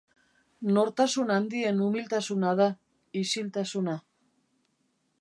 Nortasun handien umiltasuna da, isiltasuna.